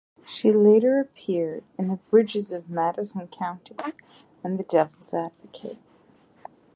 She later appeared in "The Bridges of Madison County" and "The Devil's Advocate".